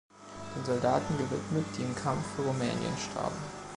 Den Soldaten gewidmet, die im Kampf für Rumnänien starben.